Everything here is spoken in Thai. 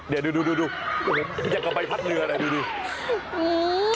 ไหวอย่างใบพัดเรือน่ะดูมันดู